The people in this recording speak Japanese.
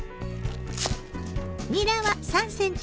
にらは３ｃｍ